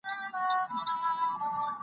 ستا څېړنه به په راتلونکي کي ډېره ګټوره وي.